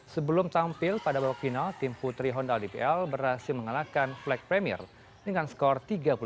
sebelum tampil pada babak final tim putri hondal dpl berhasil mengalahkan flag premier dengan skor tiga puluh delapan